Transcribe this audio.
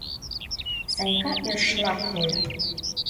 — Санька ӧршыла койо.